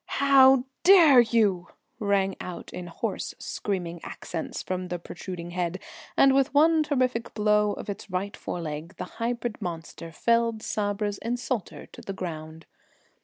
"How dare you?" rang out in hoarse screaming accents from the protruding head, and with one terrific blow of its right fore leg the hybrid monster felled Sabra's insulter to the ground.